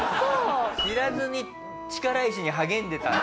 知らずに力石に励んでたんだ。